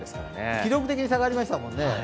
記録的に下がりましたもんね。